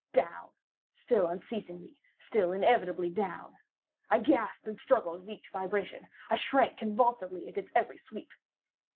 Down—still unceasingly—still inevitably down! I gasped and struggled at each vibration. I shrunk convulsively at its every sweep.